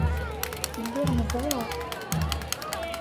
Lliɣ nḍerreɣ.